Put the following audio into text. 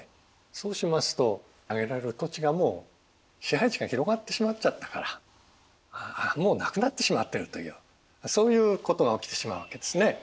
そうしますとあげられる土地がもう支配地が広がってしまっちゃったからもうなくなってしまってるというそういうことが起きてしまうわけですね。